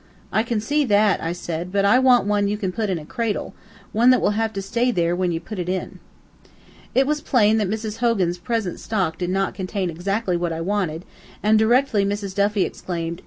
"I can see that," said I, "but I want one that you can put in a cradle one that will have to stay there, when you put it in." It was plain that Mrs. Hogan's present stock did not contain exactly what I wanted, and directly Mrs. Duffy exclaimed!